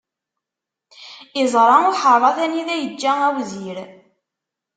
Iẓra uḥeṛṛat anida yiǧǧa awzir.